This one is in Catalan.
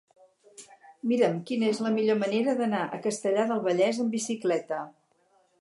Mira'm quina és la millor manera d'anar a Castellar del Vallès amb bicicleta.